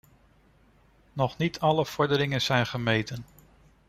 Nog niet alle vorderingen zijn gemeten.